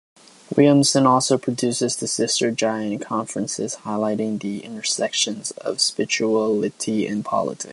Williamson also produces the Sister Giant Conferences, highlighting the intersection of spirituality and politics.